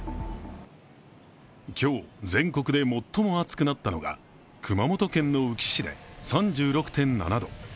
今日、全国で最も暑くなったのが熊本県の宇城市で３６．７度。